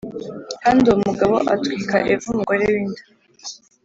Kandi uwo mugabo atwika Eva umugore we inda